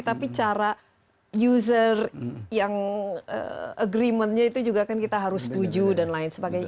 tapi cara user yang agreementnya itu juga kan kita harus setuju dan lain sebagainya